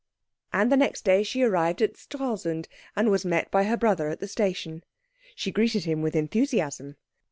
And the next day she arrived at Stralsund, and was met by her brother at the station. She greeted him with enthusiasm.